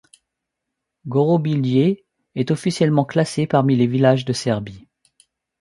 Gorobilje est officiellement classé parmi les villages de Serbie.